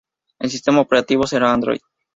El sistema operativo será Android.